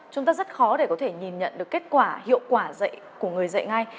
chúng ta rất khó để có thể nhìn nhận được kết quả hiệu quả dạy của người dạy ngay